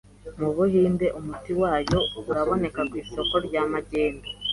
Mu Buhinde, 'umuti wayo' uraboneka ku isoko rya magendu